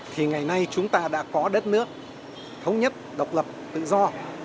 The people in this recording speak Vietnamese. thì ngày nay chúng ta đã có đất nước thống nhất độc lập tự do